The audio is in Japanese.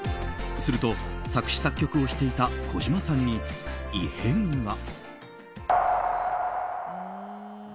すると、作詞・作曲をしていたこじまさんに異変が。